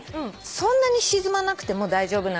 そんなに沈まなくても大丈夫なので。